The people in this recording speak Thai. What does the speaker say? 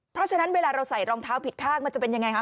เพราะฉะนั้นเวลาเราใส่รองเท้าผิดข้างมันจะเป็นยังไงคะ